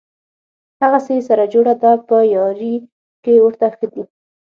هغسې یې سره جوړه ده په یاري کې ورته ښه دي.